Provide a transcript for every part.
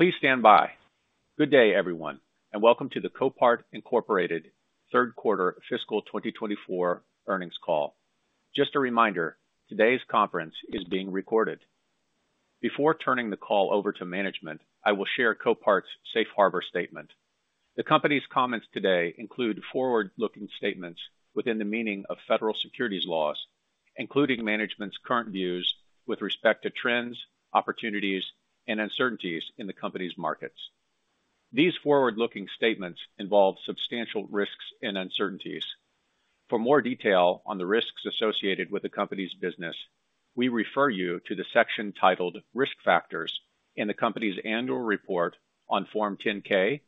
Please stand by. Good day, everyone, and welcome to the Copart Incorporated third quarter fiscal 2024 earnings call. Just a reminder, today's conference is being recorded. Before turning the call over to management, I will share Copart's safe harbor statement. The company's comments today include forward-looking statements within the meaning of federal securities laws, including management's current views with respect to trends, opportunities, and uncertainties in the company's markets. These forward-looking statements involve substantial risks and uncertainties. For more detail on the risks associated with the company's business, we refer you to the section titled Risk Factors in the company's Annual Report on Form 10-K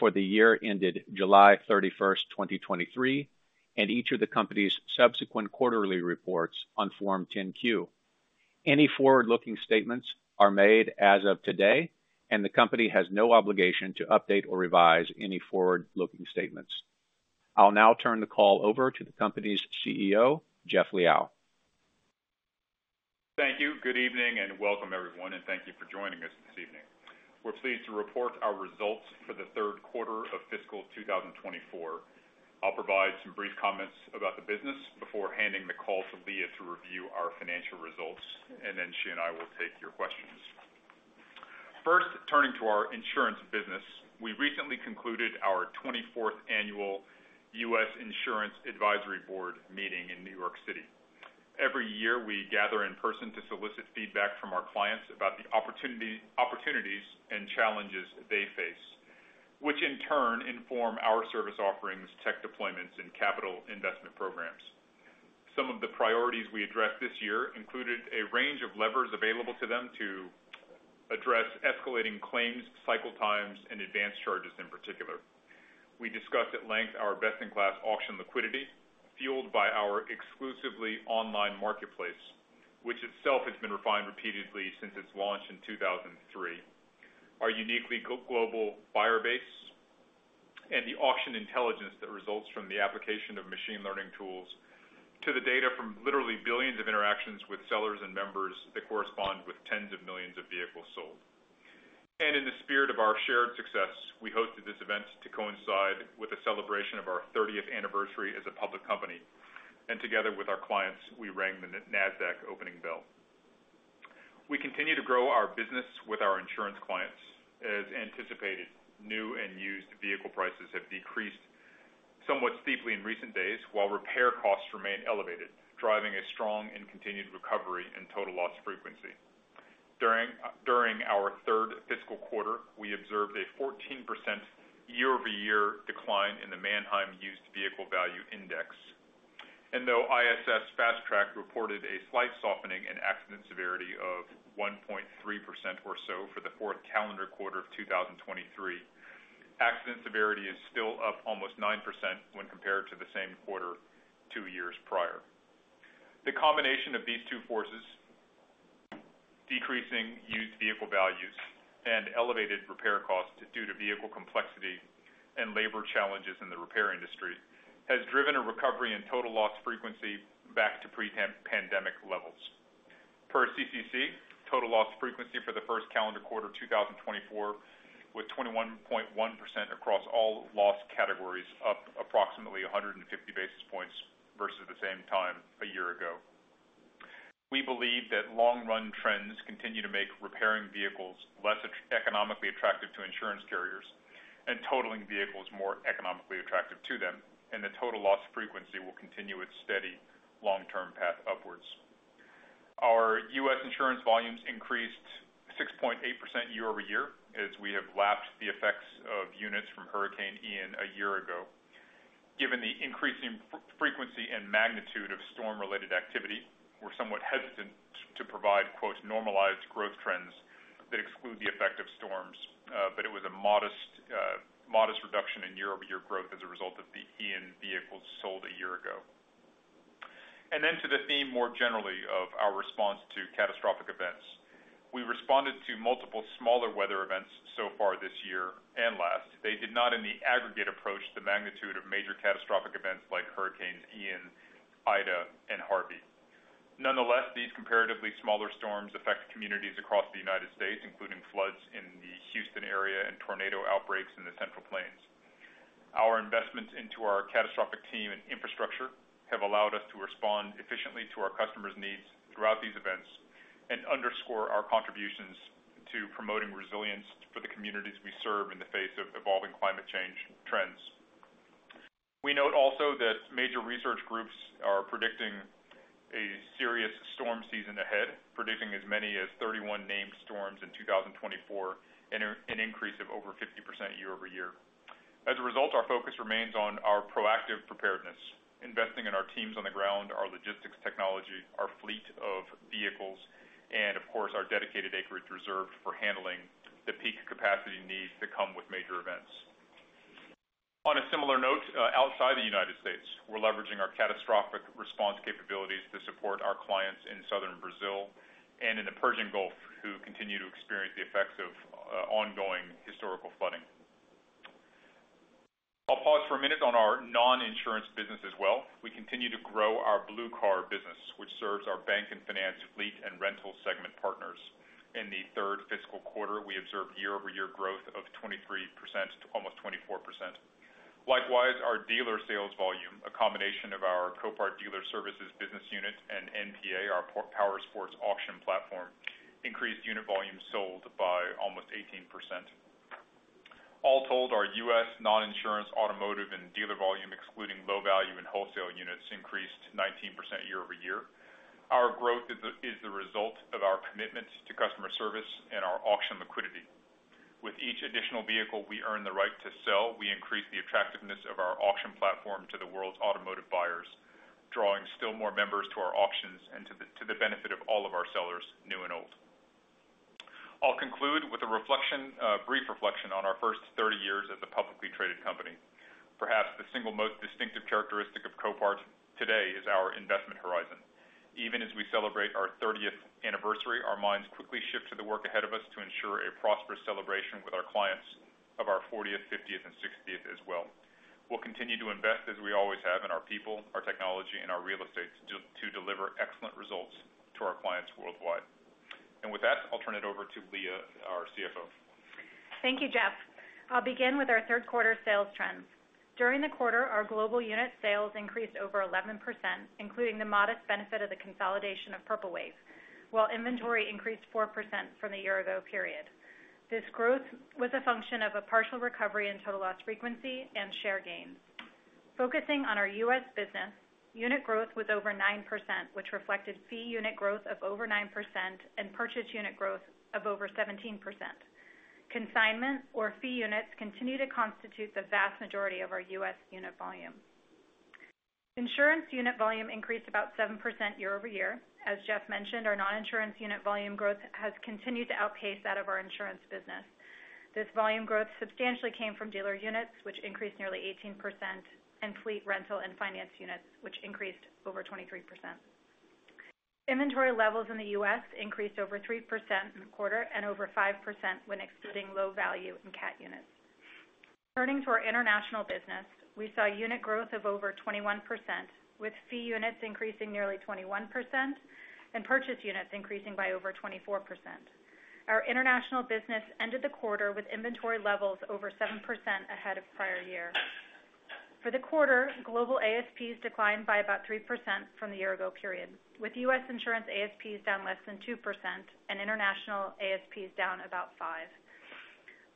for the year ended July 31st, 2023, and each of the company's subsequent quarterly reports on Form 10-Q. Any forward-looking statements are made as of today, and the company has no obligation to update or revise any forward-looking statements. I'll now turn the call over to the company's CEO, Jeff Liaw. Thank you. Good evening, and welcome everyone, and thank you for joining us this evening. We're pleased to report our results for the third quarter of fiscal 2024. I'll provide some brief comments about the business before handing the call to Leah to review our financial results, and then she and I will take your questions. First, turning to our insurance business, we recently concluded our 24th annual U.S. Insurance Advisory Board meeting in New York City. Every year, we gather in person to solicit feedback from our clients about the opportunities and challenges they face, which in turn inform our service offerings, tech deployments, and capital investment programs. Some of the priorities we addressed this year included a range of levers available to them to address escalating claims, cycle times, and advanced charges in particular. We discussed at length our best-in-class auction liquidity, fueled by our exclusively online marketplace, which itself has been refined repeatedly since its launch in 2003. Our uniquely global buyer base and the auction intelligence that results from the application of machine learning tools to the data from literally billions of interactions with sellers and members that correspond with tens of millions of vehicles sold. In the spirit of our shared success, we hosted this event to coincide with the celebration of our thirtieth anniversary as a public company, and together with our clients, we rang the NASDAQ opening bell. We continue to grow our business with our insurance clients. As anticipated, new and used vehicle prices have decreased somewhat steeply in recent days, while repair costs remain elevated, driving a strong and continued recovery in total loss frequency. During our third fiscal quarter, we observed a 14% year-over-year decline in the Manheim Used Vehicle Value Index. And though ISO Fast Track reported a slight softening in accident severity of 1.3% or so for the fourth calendar quarter of 2023, accident severity is still up almost 9% when compared to the same quarter two years prior. The combination of these two forces, decreasing used vehicle values and elevated repair costs due to vehicle complexity and labor challenges in the repair industry, has driven a recovery in total loss frequency back to pre-pandemic levels. Per CCC, total loss frequency for the first calendar quarter of 2024, with 21.1% across all loss categories, up approximately 150 basis points versus the same time a year ago. We believe that long-run trends continue to make repairing vehicles less economically attractive to insurance carriers and totaling vehicles more economically attractive to them, and the total loss frequency will continue its steady long-term path upwards. Our U.S. insurance volumes increased 6.8% year-over-year as we have lapsed the effects of units from Hurricane Ian a year ago. Given the increasing frequency and magnitude of storm-related activity, we're somewhat hesitant to provide "normalized" growth trends that exclude the effect of storms, but it was a modest reduction in year-over-year growth as a result of the Ian vehicles sold a year ago. Then to the theme, more generally, of our response to catastrophic events. We responded to multiple smaller weather events so far this year and last. They did not, in the aggregate approach, the magnitude of major catastrophic events like hurricanes Ian, Ida, and Harvey. Nonetheless, these comparatively smaller storms affect communities across the United States, including floods in the Houston area and tornado outbreaks in the Central Plains. Our investments into our catastrophic team and infrastructure have allowed us to respond efficiently to our customers' needs throughout these events and underscore our contributions to promoting resilience for the communities we serve in the face of evolving climate change trends. We note also that major research groups are predicting a serious storm season ahead, predicting as many as 31 named storms in 2024, an increase of over 50% year-over-year. As a result, our focus remains on our proactive preparedness, investing in our teams on the ground, our logistics technology, our fleet of vehicles, and of course, our dedicated acreage reserve for handling the peak capacity needs that come with major events. On a similar note, outside the United States, we're leveraging our catastrophic response capabilities to support our clients in Southern Brazil and in the Persian Gulf, who continue to experience the effects of ongoing historical flooding. Plus, for a minute on our non-insurance business as well, we continue to grow our Blue Car business, which serves our bank and finance, fleet, and rental segment partners. In the third fiscal quarter, we observed year-over-year growth of 23% to almost 24%. Likewise, our dealer sales volume, a combination of our Copart Dealer Services business unit and NPA, our Powersports auction platform, increased unit volume sold by almost 18%. All told, our U.S. non-insurance, automotive, and dealer volume, excluding low value and wholesale units, increased 19% year-over-year. Our growth is the result of our commitment to customer service and our auction liquidity. With each additional vehicle we earn the right to sell, we increase the attractiveness of our auction platform to the world's automotive buyers, drawing still more members to our auctions and to the benefit of all of our sellers, new and old. I'll conclude with a brief reflection on our first 30 years as a publicly traded company. Perhaps the single most distinctive characteristic of Copart today is our investment horizon. Even as we celebrate our 30th anniversary, our minds quickly shift to the work ahead of us to ensure a prosperous celebration with our clients of our 40th, 50th, and 60th as well. We'll continue to invest, as we always have, in our people, our technology, and our real estate to deliver excellent results to our clients worldwide. And with that, I'll turn it over to Leah, our CFO. Thank you, Jeff. I'll begin with our third quarter sales trends. During the quarter, our global unit sales increased over 11%, including the modest benefit of the consolidation of Purple Wave, while inventory increased 4% from the year ago period. This growth was a function of a partial recovery in total loss frequency and share gains. Focusing on our U.S. business, unit growth was over 9%, which reflected fee unit growth of over 9% and purchase unit growth of over 17%. Consignment or fee units continue to constitute the vast majority of our U.S. unit volume. Insurance unit volume increased about 7% year-over-year. As Jeff mentioned, our non-insurance unit volume growth has continued to outpace that of our insurance business. This volume growth substantially came from dealer units, which increased nearly 18%, and fleet, rental, and finance units, which increased over 23%. Inventory levels in the U.S. increased over 3% in the quarter and over 5% when excluding low value and cat units. Turning to our international business, we saw unit growth of over 21%, with fee units increasing nearly 21% and purchase units increasing by over 24%. Our international business ended the quarter with inventory levels over 7% ahead of prior year. For the quarter, global ASPs declined by about 3% from the year ago period, with U.S. insurance ASPs down less than 2% and international ASPs down about 5%.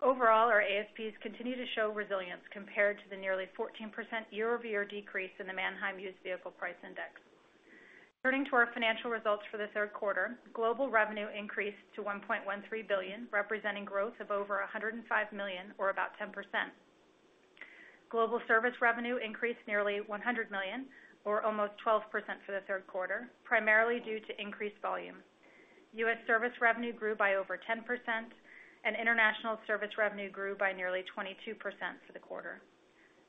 Overall, our ASPs continue to show resilience compared to the nearly 14% year-over-year decrease in the Manheim Used Vehicle Value Index. Turning to our financial results for the third quarter, global revenue increased to $1.13 billion, representing growth of over $105 million or about 10%. Global service revenue increased nearly $100 million or almost 12% for the third quarter, primarily due to increased volume. U.S. service revenue grew by over 10%, and international service revenue grew by nearly 22% for the quarter.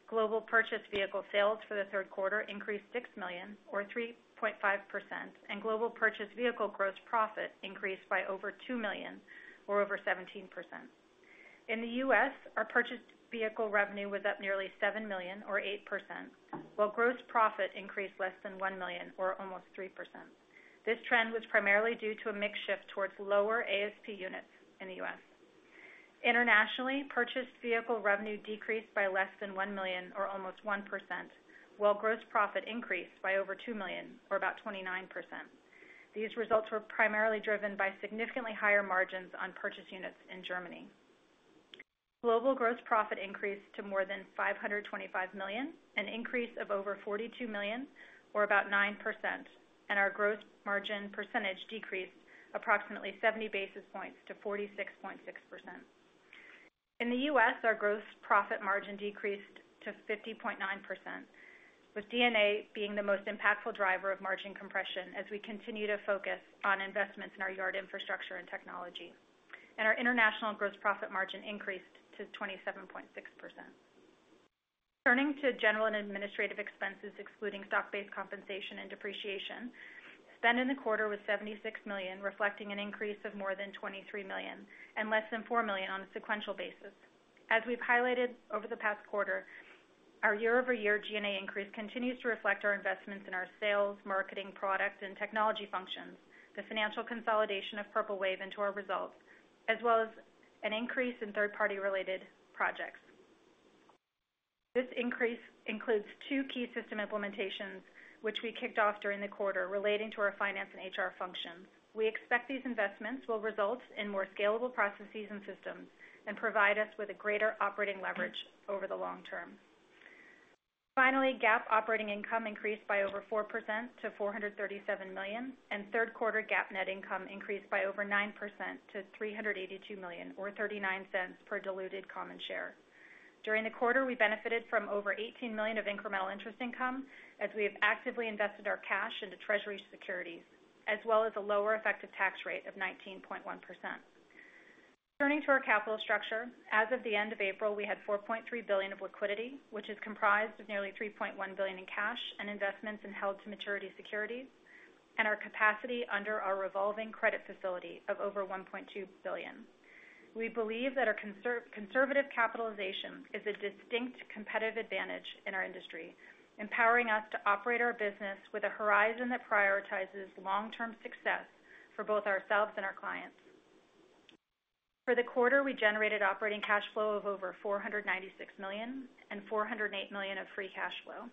Global purchased vehicle sales for the third quarter increased $6 million or 3.5%, and global purchased vehicle gross profit increased by over $2 million or over 17%. In the U.S., our purchased vehicle revenue was up nearly $7 million or 8%, while gross profit increased less than $1 million or almost 3%. This trend was primarily due to a mix shift towards lower ASP units in the U.S. Internationally, purchased vehicle revenue decreased by less than $1 million or almost 1%, while gross profit increased by over $2 million or about 29%. These results were primarily driven by significantly higher margins on purchase units in Germany. Global gross profit increased to more than $525 million, an increase of over $42 million or about 9%, and our gross margin percentage decreased approximately 70 basis points to 46.6%. In the U.S., our gross profit margin decreased to 50.9%, with D&A being the most impactful driver of margin compression as we continue to focus on investments in our yard infrastructure and technology. Our international gross profit margin increased to 27.6%. Turning to general and administrative expenses, excluding stock-based compensation and depreciation, spend in the quarter was $76 million, reflecting an increase of more than $23 million and less than $4 million on a sequential basis. As we've highlighted over the past quarter, our year-over-year G&A increase continues to reflect our investments in our sales, marketing, product, and technology functions, the financial consolidation of Purple Wave into our results, as well as an increase in third-party related projects. This increase includes two key system implementations, which we kicked off during the quarter relating to our finance and HR functions. We expect these investments will result in more scalable processes and systems and provide us with a greater operating leverage over the long term. Finally, GAAP operating income increased by over 4% to $437 million, and third quarter GAAP net income increased by over 9% to $382 million, or $0.39 per diluted common share. During the quarter, we benefited from over $18 million of incremental interest income, as we have actively invested our cash into Treasury securities, as well as a lower effective tax rate of 19.1%. Turning to our capital structure, as of the end of April, we had $4.3 billion of liquidity, which is comprised of nearly $3.1 billion in cash and investments in held-to-maturity securities and our capacity under our revolving credit facility of over $1.2 billion. We believe that our conservative capitalization is a distinct competitive advantage in our industry, empowering us to operate our business with a horizon that prioritizes long-term success for both ourselves and our clients. For the quarter, we generated operating cash flow of over $496 million and $408 million of free cash flow.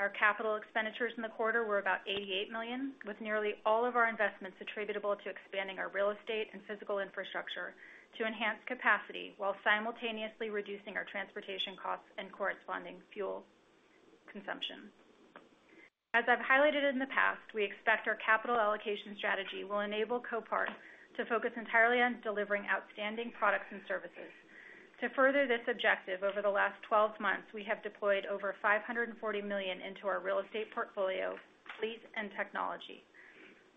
Our capital expenditures in the quarter were about $88 million, with nearly all of our investments attributable to expanding our real estate and physical infrastructure to enhance capacity while simultaneously reducing our transportation costs and corresponding fuel consumption. As I've highlighted in the past, we expect our capital allocation strategy will enable Copart to focus entirely on delivering outstanding products and services. To further this objective, over the last twelve months, we have deployed over $540 million into our real estate portfolio, fleet, and technology.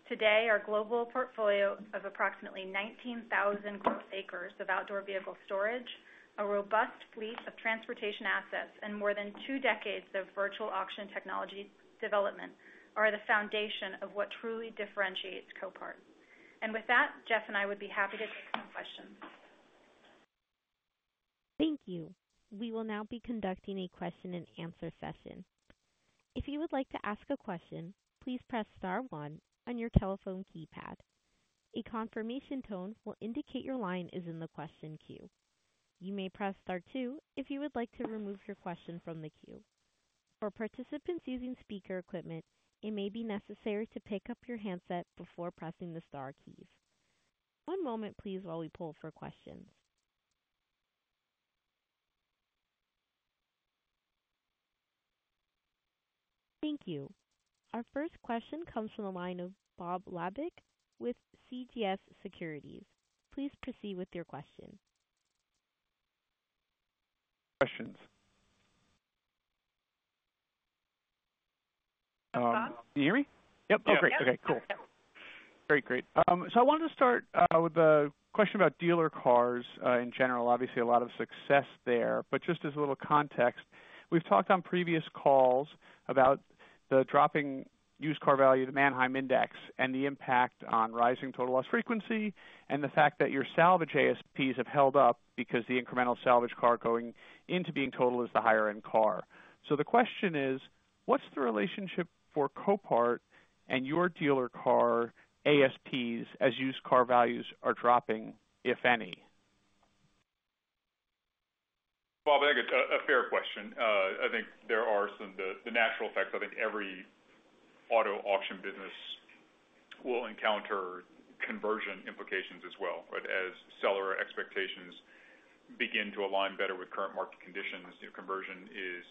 Today, our global portfolio of approximately 19,000 gross acres of outdoor vehicle storage, a robust fleet of transportation assets, and more than two decades of virtual auction technology development are the foundation of what truly differentiates Copart. And with that, Jeff and I would be happy to take some questions. Thank you. We will now be conducting a question-and-answer session. If you would like to ask a question, please press star one on your telephone keypad. A confirmation tone will indicate your line is in the question queue. You may press star two if you would like to remove your question from the queue. For participants using speaker equipment, it may be necessary to pick up your handset before pressing the star keys. One moment, please, while we pull for questions. Thank you. Our first question comes from the line of Bob Labick with CJS Securities. Please proceed with your question. Questions. Can you hear me? Yep. Yes. Okay, great. Cool. Great, great. So I wanted to start with a question about dealer cars in general. Obviously, a lot of success there. But just as a little context, we've talked on previous calls about the dropping used car value, the Manheim index, and the impact on rising total loss frequency, and the fact that your salvage ASPs have held up because the incremental salvage car going into being totaled is the higher end car. So the question is: What's the relationship for Copart and your dealer car ASPs as used car values are dropping, if any? Bob, I think it's a fair question. I think there are some... The natural effects. I think every auto auction business will encounter conversion implications as well, right? As seller expectations begin to align better with current market conditions, conversion is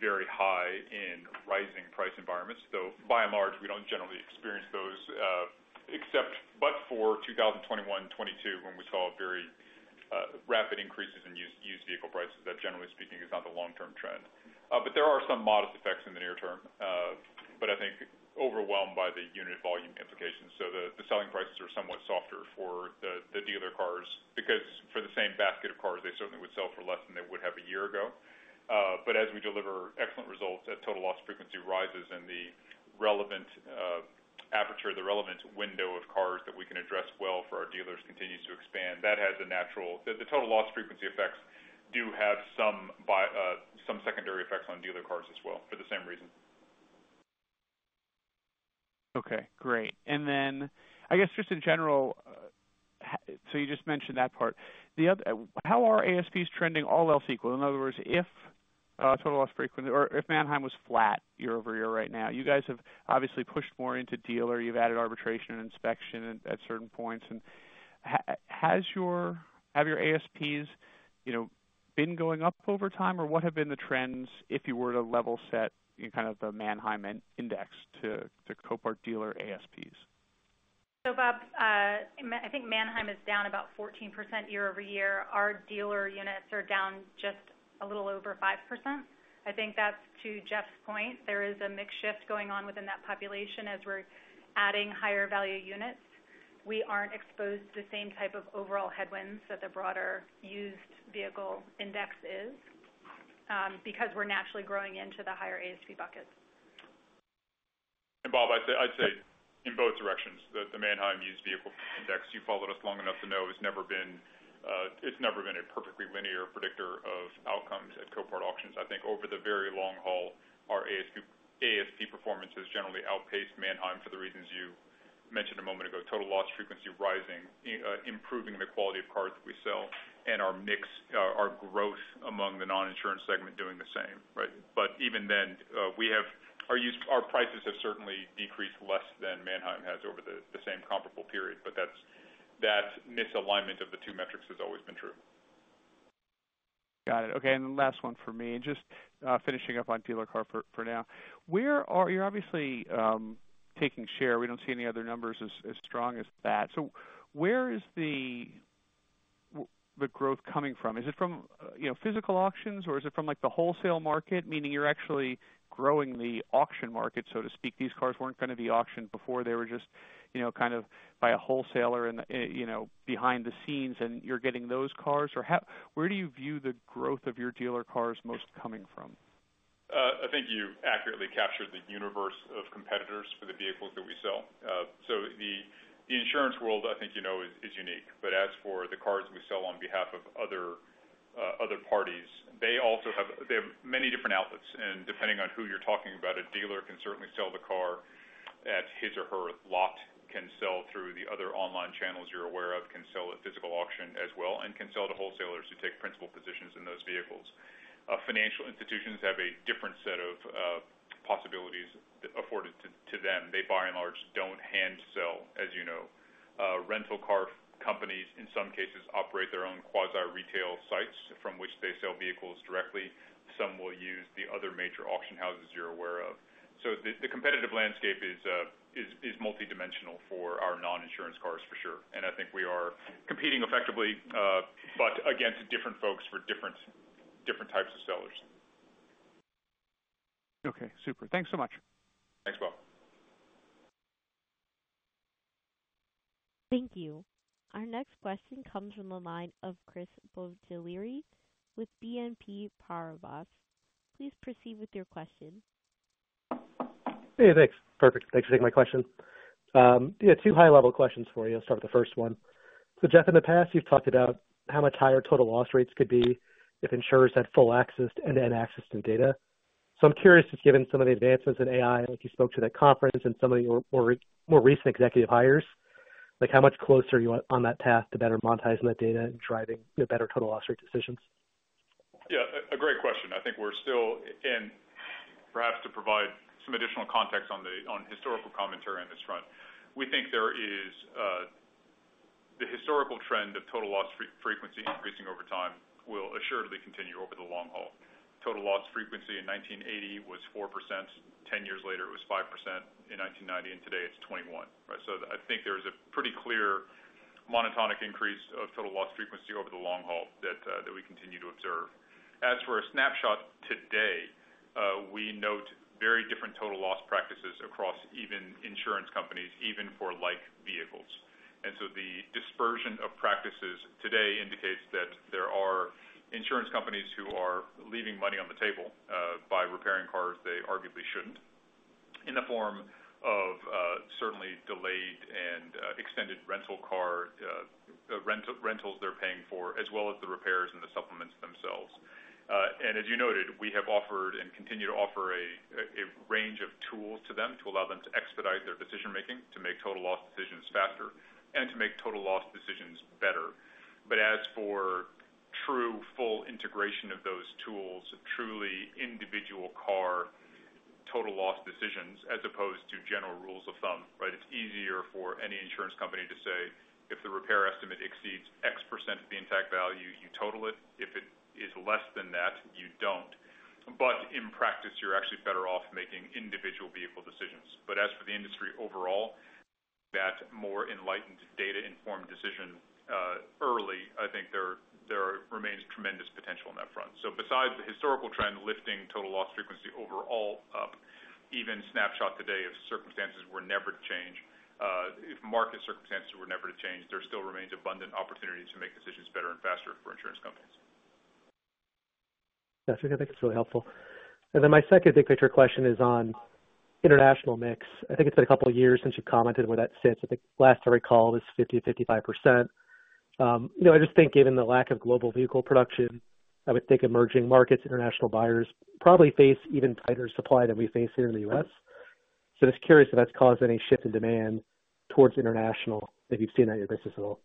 very high in rising price environments, though, by and large, we don't generally experience those, except but for 2021, 2022, when we saw very rapid increases in used vehicle prices. That, generally speaking, is not the long-term trend. But there are some modest effects in the near term, but I think overwhelmed by the unit volume implications. So the selling prices are somewhat softer for the dealer cars, because for the same basket of cars, they certainly would sell for less than they would have a year ago. But as we deliver excellent results, that total loss frequency rises, and the relevant aperture, the relevant window of cars that we can address well for our dealers continues to expand. That has a natural... The total loss frequency effects do have some by, some secondary effects on dealer cars as well, for the same reason. Okay, great. And then I guess just in general, so you just mentioned that part. The other. How are ASPs trending all else equal? In other words, if total loss frequency or if Manheim was flat year-over-year right now, you guys have obviously pushed more into dealer. You've added arbitration and inspection at certain points. And have your ASPs, you know, been going up over time, or what have been the trends if you were to level set kind of the Manheim index to Copart dealer ASPs? So, Bob, I think Manheim is down about 14% year-over-year. Our dealer units are down just a little over 5%. I think that's to Jeff's point. There is a mix shift going on within that population as we're adding higher value units. We aren't exposed to the same type of overall headwinds that the broader used vehicle index is, because we're naturally growing into the higher ASP buckets. Bob, I'd say, I'd say in both directions that the Manheim Used Vehicle Index, you followed us long enough to know, has never been. It's never been a perfectly linear predictor of outcomes at Copart Auctions. I think over the very long haul, our ASP performance has generally outpaced Manheim for the reasons you mentioned a moment ago. Total loss frequency rising, improving the quality of cars that we sell and our mix, our growth among the non-insurance segment doing the same, right? But even then, we have. Our prices have certainly decreased less than Manheim has over the same comparable period, but that's, that misalignment of the two metrics has always been true. Got it. Okay, and the last one for me, just, finishing up on dealer car for now. Where are you obviously taking share. We don't see any other numbers as strong as that. So where is the growth coming from? Is it from, you know, physical auctions, or is it from, like, the wholesale market, meaning you're actually growing the auction market, so to speak? These cars weren't going to be auctioned before. They were just, you know, kind of by a wholesaler and, you know, behind the scenes, and you're getting those cars. Or where do you view the growth of your dealer cars most coming from? I think you accurately captured the universe of competitors for the vehicles that we sell. So the insurance world, I think you know, is unique. But as for the cars we sell on behalf of other parties, they also have many different outlets, and depending on who you're talking about, a dealer can certainly sell the car at his or her lot, can sell through the other online channels you're aware of, can sell at physical auction as well, and can sell to wholesalers who take principal positions in those vehicles. Financial institutions have a different set of possibilities afforded to them. They, by and large, don't hand sell, as you know. Rental car companies, in some cases, operate their own quasi-retail sites from which they sell vehicles directly. Some will use the other major auction houses you're aware of. So the competitive landscape is multidimensional for our non-insurance cars, for sure. And I think we are competing effectively, but against different folks for different types of sellers. Okay, super. Thanks so much. Thanks, Bob. Thank you. Our next question comes from the line of Chris Bottiglieri with BNP Paribas. Please proceed with your question. Hey, thanks. Perfect. Thanks for taking my question. Yeah, two high-level questions for you. I'll start with the first one. So, Jeff, in the past, you've talked about how much higher total loss rates could be if insurers had full access to end-to-end access to data. So I'm curious, just given some of the advances in AI, like you spoke to that conference and some of your more recent executive hires, like, how much closer are you on that path to better monetizing that data and driving better total loss rate decisions? Yeah, a great question. I think we're still—and perhaps to provide some additional context on historical commentary on this front. We think there is the historical trend of total loss frequency increasing over time will assuredly continue over the long haul. Total loss frequency in 1980 was 4%. 10 years later, it was 5%. In 1990, and today it's 21%, right? So I think there is a pretty clear monotonic increase of total loss frequency over the long haul that we continue to observe. As for a snapshot today, we note very different total loss practices across even insurance companies, even for like vehicles. The dispersion of practices today indicates that there are insurance companies who are leaving money on the table, by repairing cars they arguably shouldn't, in the form of certainly delayed and extended rental car re-rentals they're paying for, as well as the repairs and the supplements themselves. As you noted, we have offered and continue to offer a range of tools to them to allow them to expedite their decision making, to make total loss decisions faster, and to make total loss decisions better. As for true full integration of those tools, truly individual car total loss decisions, as opposed to general rules of thumb, right? It's easier for any insurance company to say, "If the repair estimate exceeds X% of the intact value, you total it. If it is less than that, you don't." But in practice, you're actually better off making individual vehicle decisions. But as for the industry overall, that more enlightened data-informed decision, early, I think there, there remains tremendous potential on that front. So besides the historical trend, lifting total loss frequency overall up, even snapshot today, if circumstances were never to change, if market circumstances were never to change, there still remains abundant opportunities to make decisions better and faster for insurance companies. Yes, I think it's really helpful. Then my second big picture question is on international mix. I think it's been a couple of years since you've commented where that sits. I think last I recall is 50%-55%. You know, I just think given the lack of global vehicle production, I would think emerging markets, international buyers probably face even tighter supply than we face here in the U.S. So just curious if that's caused any shift in demand towards international, if you've seen that in your business at all.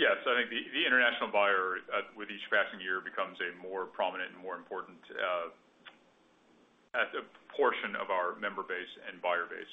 Yes, I think the international buyer with each passing year becomes a more prominent and more important at the portion of our member base and buyer base.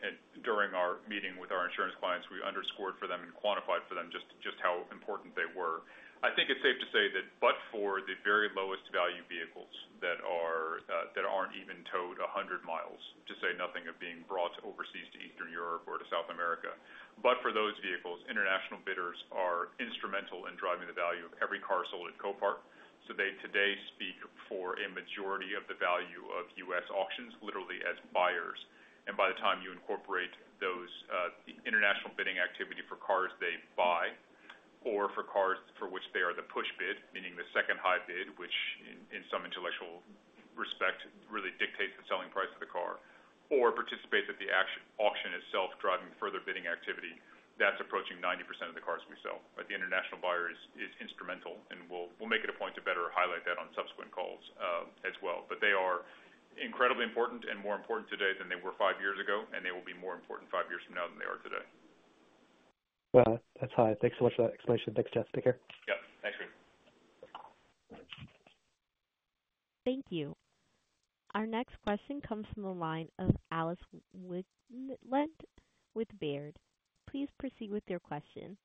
And during our meeting with our insurance clients, we underscored for them and quantified for them just how important they were. I think it's safe to say that but for the very lowest value vehicles that aren't even towed 100 miles, to say nothing of being brought overseas to Eastern Europe or to South America. But for those vehicles, international bidders are instrumental in driving the value of every car sold at Copart. So they today speak for a majority of the value of U.S. auctions, literally as buyers. And by the time you incorporate those international bidding activity for cars they buy, or for cars for which they are the push bid, meaning the second high bid, which in some intellectual respect, really dictates the selling price of the car, or participates at the auction itself, driving further bidding activity, that's approaching 90% of the cars we sell. But the international buyer is instrumental, and we'll make it a point to better highlight that on subsequent calls, as well. But they are incredibly important and more important today than they were five years ago, and they will be more important five years from now than they are today. Well, that's high. Thanks so much for that explanation. Thanks, Jeff. Take care. Yep. Thanks, Chris. Thank you. Our next question comes from the line of Alice Wycklendt with Baird. Please proceed with your question.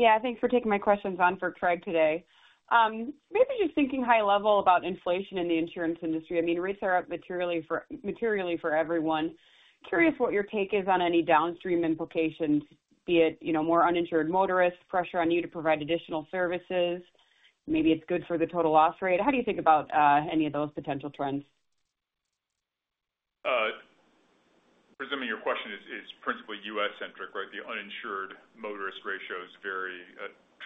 Yeah, thanks for taking my questions on for Craig today. Maybe just thinking high level about inflation in the insurance industry. I mean, rates are up materially for, materially for everyone. Curious what your take is on any downstream implications, be it, you know, more uninsured motorists, pressure on you to provide additional services. Maybe it's good for the total loss rate. How do you think about any of those potential trends? Your question is principally U.S. centric, right? The uninsured motorist ratios vary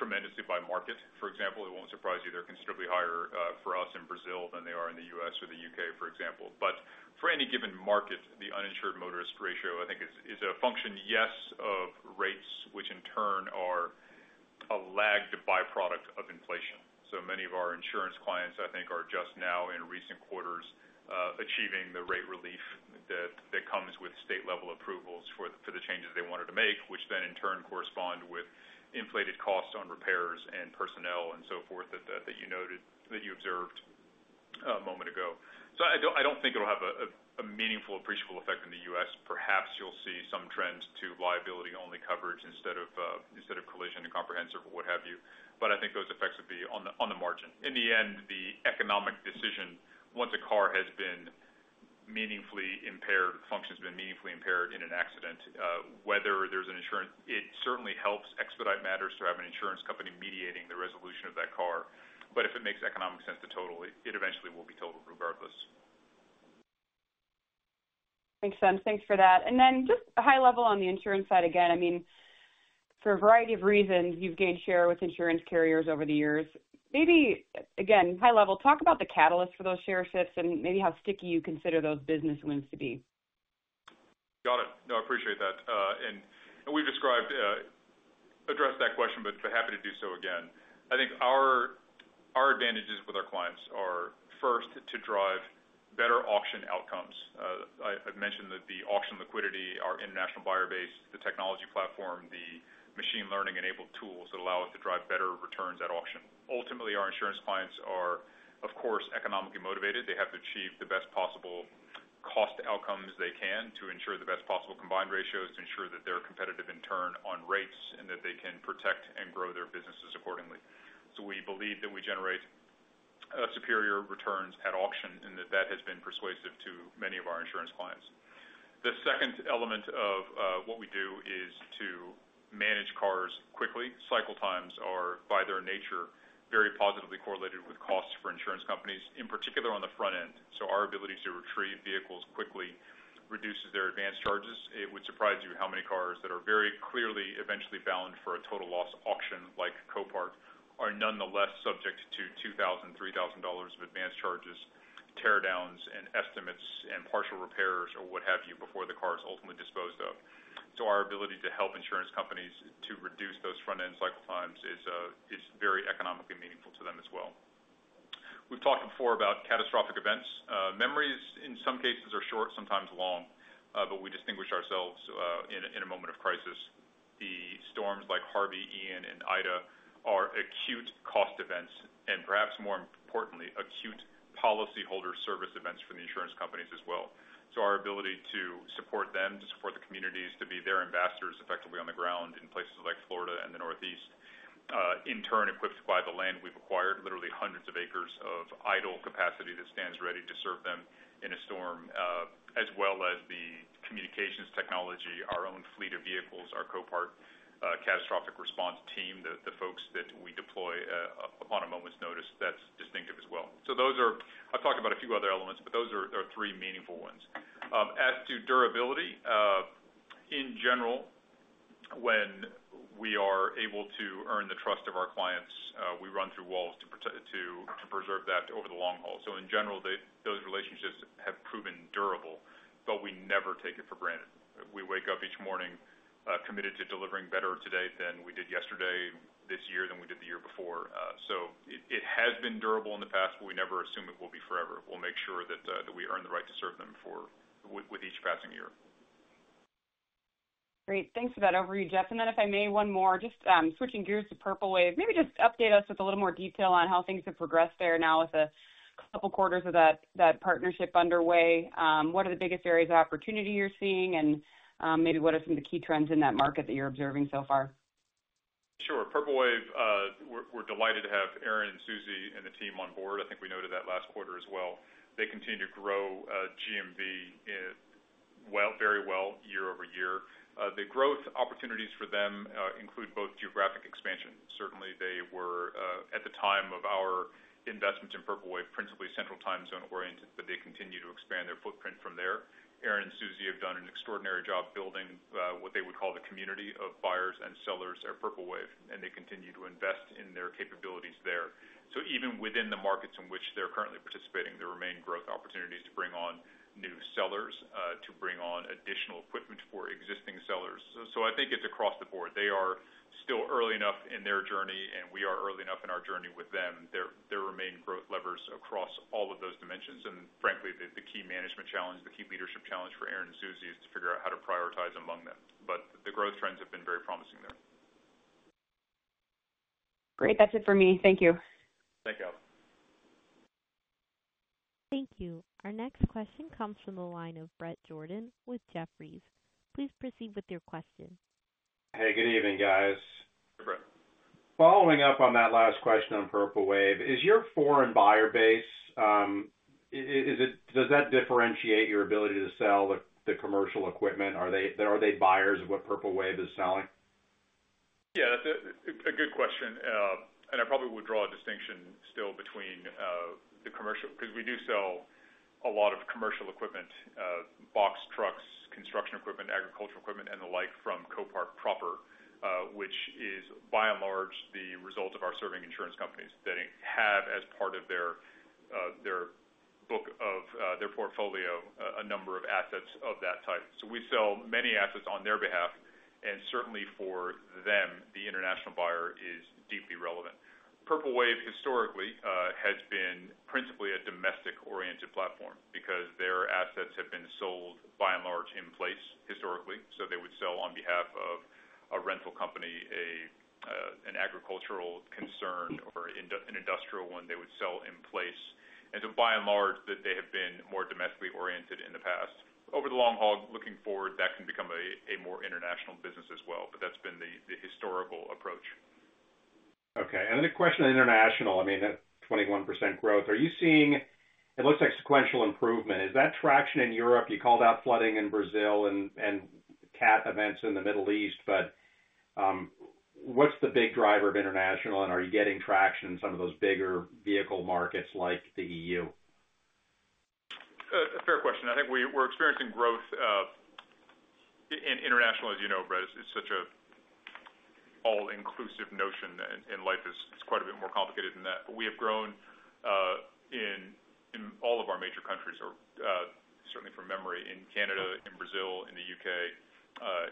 tremendously by market. For example, it won't surprise you, they're considerably higher for us in Brazil than they are in the U.S. or the U.K., for example. But for any given market, the uninsured motorist ratio, I think is a function, yes, of rates, which in turn are a lagged byproduct of inflation. So many of our insurance clients, I think, are just now in recent quarters achieving the rate relief that comes with state-level approvals for the changes they wanted to make, which then in turn correspond with inflated costs on repairs and personnel and so forth, that you noted, that you observed a moment ago. So I don't think it'll have a meaningful appreciable effect in the U.S. Perhaps you'll see some trends to liability-only coverage instead of instead of collision and comprehensive or what have you. But I think those effects would be on the margin. In the end, the economic decision, once a car has been meaningfully impaired, function has been meaningfully impaired in an accident, whether there's an insurance, it certainly helps expedite matters to have an insurance company mediating the resolution of that car. But if it makes economic sense to total it, it eventually will be totaled regardless. Thanks, Jeff. Thanks for that. And then just a high level on the insurance side again, I mean, for a variety of reasons, you've gained share with insurance carriers over the years. Maybe, again, high level, talk about the catalyst for those share shifts and maybe how sticky you consider those business wins to be. Got it. No, I appreciate that. And, and we've described, addressed that question, but happy to do so again. I think our, our advantages with our clients are, first, to drive better auction outcomes. I, I've mentioned that the auction liquidity, our international buyer base, the technology platform, the machine learning-enabled tools that allow us to drive better returns at auction. Ultimately, our insurance clients are, of course, economically motivated. They have to achieve the best possible cost outcomes they can to ensure the best possible combined ratios, to ensure that they're competitive in turn on rates, and that they can protect and grow their businesses accordingly. So we believe that we generate, superior returns at auction, and that that has been persuasive to many of our insurance clients. The second element of, what we do is to manage cars quickly. Cycle times are, by their nature, very positively correlated with costs for insurance companies, in particular, on the front end. So our ability to retrieve vehicles quickly reduces their advanced charges. It would surprise you how many cars that are very clearly eventually bound for a total loss auction like Copart, are nonetheless subject to $2,000-$3,000 of advanced charges, tear-downs and estimates, and partial repairs or what have you, before the car is ultimately disposed of. So our ability to help insurance companies to reduce those front-end cycle times is, is very economically meaningful to them as well. We've talked before about catastrophic events. Memories, in some cases, are short, sometimes long, but we distinguish ourselves, in a, in a moment of crisis. The storms like Harvey, Ian, and Ida are acute cost events, and perhaps more importantly, acute policyholder service events for the insurance companies as well. So our ability to support them, to support the communities, to be their ambassadors effectively on the ground in places like Florida and the Northeast, in turn, equipped by the land we've acquired, literally hundreds of acres of idle capacity that stands ready to serve them in a storm, as well as the communications technology, our own fleet of vehicles, our Copart Catastrophic Response Team, the folks that we deploy, upon a moment's notice, that's distinctive as well. So those are... I've talked about a few other elements, but those are three meaningful ones. As to durability, in general, when we are able to earn the trust of our clients, we run through walls to preserve that over the long haul. So in general, those relationships have proven durable, but we never take it for granted. We wake up each morning, committed to delivering better today than we did yesterday, this year than we did the year before. So it has been durable in the past, but we never assume it will be forever. We'll make sure that we earn the right to serve them with each passing year. Great. Thanks for that overview, Jeff. And then if I may, one more, just, switching gears to Purple Wave. Maybe just update us with a little more detail on how things have progressed there now with a couple quarters of that, that partnership underway. What are the biggest areas of opportunity you're seeing? And, maybe what are some of the key trends in that market that you're observing so far? Sure. Purple Wave, we're delighted to have Aaron and Suzie and the team on board. I think we noted that last quarter as well. They continue to grow GMV well, very well year over year. The growth opportunities for them include both geographic expansion. Certainly, they were at the time of our investment in Purple Wave, principally Central Time Zone oriented, but they continue to expand their footprint from there. Aaron and Suzie have done an extraordinary job building what they would call the community of buyers and sellers at Purple Wave, and they continue to invest in their capabilities there. So even within the markets in which they're currently participating, there remain growth opportunities to bring on new sellers, to bring on additional equipment for existing sellers. So I think it's across the board. They are still early enough in their journey, and we are early enough in our journey with them. There remain growth levers across all of those dimensions. And frankly, the key management challenge, the key leadership challenge for Aaron and Suzie is to figure out how to prioritize among them. But the growth trends have been very promising there. Great. That's it for me. Thank you. Thank you. Thank you. Our next question comes from the line of Bret Jordan with Jefferies. Please proceed with your question. Hey, good evening, guys. Hey, Bret. Following up on that last question on Purple Wave, is your foreign buyer base, does that differentiate your ability to sell the, the commercial equipment? Are they, are they buyers of what Purple Wave is selling? Yeah, that's a good question. And I probably would draw a distinction still between the commercial, because we do sell a lot of commercial equipment, box trucks, construction equipment, agricultural equipment, and the like, from Copart proper, which is by and large the result of our serving insurance companies that have, as part of their, their book of, their portfolio, a number of assets of that type. So we sell many assets on their behalf, and certainly for them, the international buyer is deeply relevant. Purple Wave historically has been principally a domestic-oriented platform because their assets have been sold by and large in place historically. So they would sell on behalf of a rental company, an agricultural concern or an industrial one, they would sell in place. And so by and large, they have been more domestically oriented in the past. Over the long haul, looking forward, that can become a more international business as well. But that's been the historical approach. Okay, and then a question on international. I mean, that 21% growth. Are you seeing it looks like sequential improvement. Is that traction in Europe? You called out flooding in Brazil and cat events in the Middle East. But, what's the big driver of international, and are you getting traction in some of those bigger vehicle markets like the EU? A fair question. I think we're experiencing growth in international, as you know, Brad, is such an all-inclusive notion, and life is quite a bit more complicated than that. But we have grown in all of our major countries or certainly from memory, in Canada, in Brazil, in the U.K.,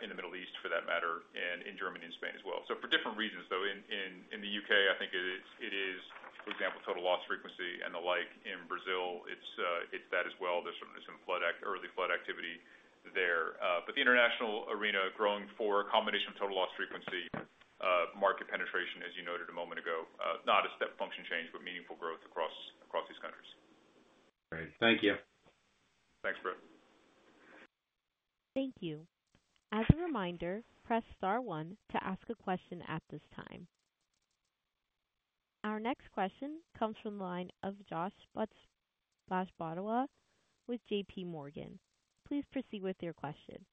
in the Middle East, for that matter, and in Germany and Spain as well. So for different reasons, though, in the U.K., I think it is for example, total loss frequency and the like. In Brazil, it's that as well. There's some early flood activity there. But the international arena growing for a combination of total loss frequency, market penetration, as you noted a moment ago, not a step function change, but meaningful growth across these countries. Great. Thank you. Thanks, Bret. Thank you. As a reminder, press star one to ask a question at this time. Our next question comes from the line of Yash Bajwa with J.P. Morgan. Please proceed with your question.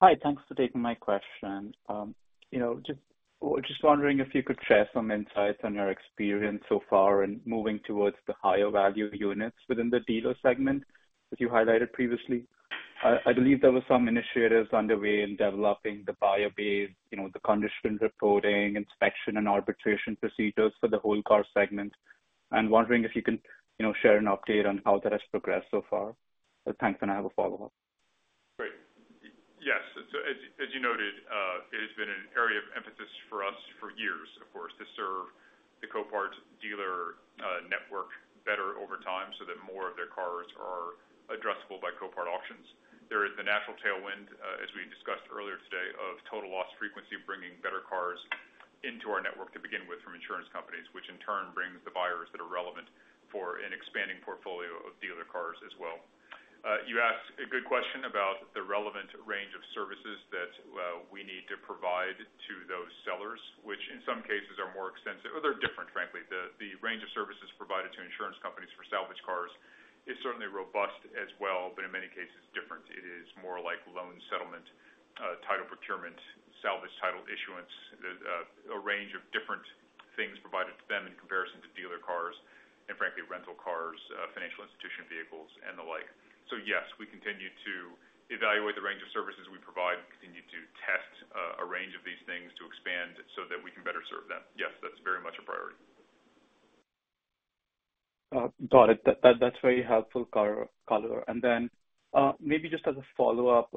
Hi, thanks for taking my question. You know, just wondering if you could share some insights on your experience so far in moving towards the higher value units within the dealer segment that you highlighted previously. I believe there were some initiatives underway in developing the buyer base, you know, the condition reporting, inspection and arbitration procedures for the whole car segment. I'm wondering if you can, you know, share an update on how that has progressed so far. Thanks, and I have a follow-up. Great. Yes. So as you noted, it has been an area of emphasis for us for years, of course, to serve the Copart dealer network better over time so that more of their cars are addressable by Copart auctions. There is the natural tailwind, as we discussed earlier today, of total loss frequency, bringing better cars into our network to begin with from insurance companies, which in turn brings the buyers that are relevant for an expanding portfolio of dealer cars as well. You asked a good question about the relevant range of services that we need to provide to those sellers, which in some cases are more extensive, or they're different, frankly. The range of services provided to insurance companies for salvage cars is certainly robust as well, but in many cases, different. It is more like loan settlement, title procurement, salvage title issuance, a range of different things provided to them in comparison to dealer cars and frankly, rental cars, financial institution vehicles, and the like. So yes, we continue to evaluate the range of services we provide. We continue to test, a range of these things to expand so that we can better serve them. Yes, that's very much a priority. Got it. That, that's very helpful color. And then, maybe just as a follow-up,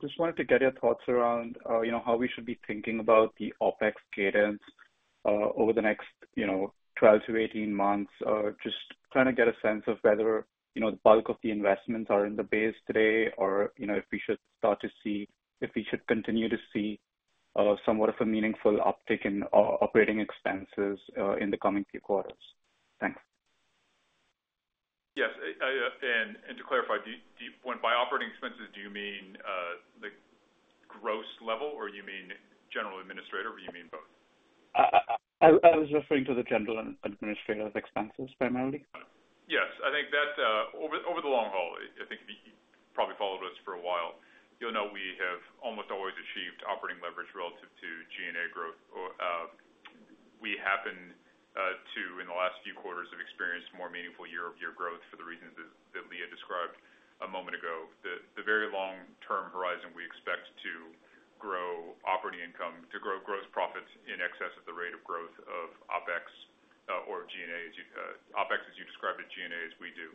just wanted to get your thoughts around, you know, how we should be thinking about the OpEx cadence, over the next, you know, 12-18 months. Just trying to get a sense of whether, you know, the bulk of the investments are in the base today, or, you know, if we should start to see—if we should continue to see, somewhat of a meaningful uptick in operating expenses, in the coming few quarters. Thanks. Yes, and, and to clarify, do you... By operating expenses, do you mean the gross level, or you mean general and administrative, or you mean both? I was referring to the general and administrative expenses primarily. Yes, I think that, over, over the long haul, I think you probably followed us for a while. You'll know we have almost always achieved operating leverage relative to G&A growth. We happen to, in the last few quarters, have experienced more meaningful year-over-year growth for the reasons that Leah described a moment ago. The very long-term horizon, we expect to grow operating income, to grow gross profits in excess of the rate of growth of OpEx, or G&A, as you OpEx, as you described it, G&A, as we do.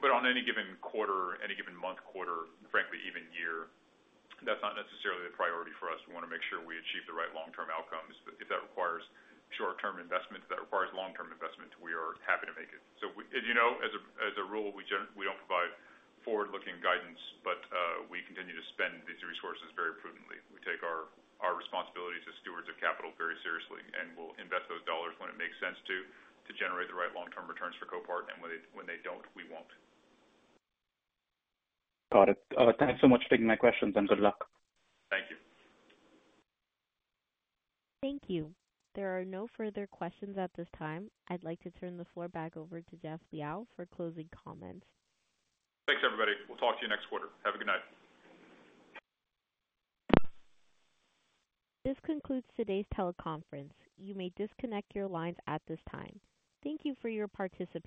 But on any given quarter, any given month, quarter, frankly, even year, that's not necessarily a priority for us. We want to make sure we achieve the right long-term outcomes. But if that requires short-term investment, if that requires long-term investment, we are happy to make it. So, as you know, as a, as a rule, we don't provide forward-looking guidance, but we continue to spend these resources very prudently. We take our, our responsibility as stewards of capital very seriously, and we'll invest those dollars when it makes sense to generate the right long-term returns for Copart, and when they, when they don't, we won't. Got it. Thanks so much for taking my questions, and good luck. Thank you. Thank you. There are no further questions at this time. I'd like to turn the floor back over to Jeff Liaw for closing comments. Thanks, everybody. We'll talk to you next quarter. Have a good night. This concludes today's teleconference. You may disconnect your lines at this time. Thank you for your participation.